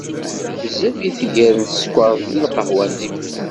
Bezzaf i tger n sskeṛ deg lqahwa-nni.